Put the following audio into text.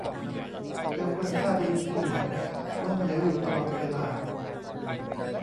เจอคนท่าดีทีเหลว ล้มเหลวอยู่ตลอดเวลา